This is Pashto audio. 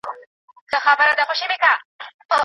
هغه عايد چي د توکو له مقدار څخه ترلاسه کېږي، حقيقي دی.